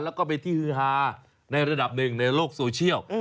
แล้วก็ไปที่ฮือหาในระดับ๑ในโลกโซเชียล